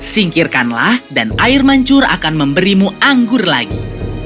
singkirkanlah dan air mancur akan memberimu anggur lagi